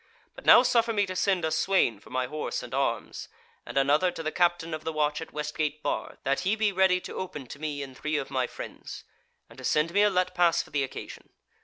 But now suffer me to send a swain for my horse and arms, and another to the captain of the watch at West gate Bar that he be ready to open to me and three of my friends, and to send me a let pass for the occasion.